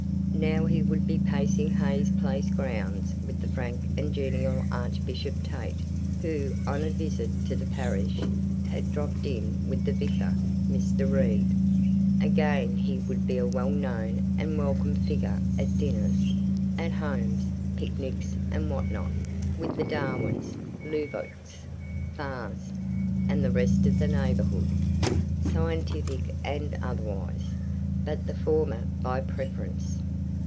Now he would be pacing Hayes Place grounds with the frank and genial Archbishop Tait, who, on a visit to the parish, had dropped in with the Vicar, Mr. Reid. Again he would be a well known and welcome figure at dinners, "at homes," picnics, and what not, with the Darwins, Lubbocks, Farrs, and the rest of the neighbourhood, scientific and otherwise, but the former by preference.